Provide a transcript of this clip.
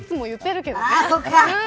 いつも言ってるけど。